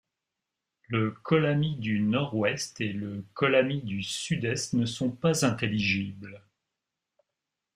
Le kolami du Nord-Ouest et le kolami du Sud-Est ne sont pas intelligibles.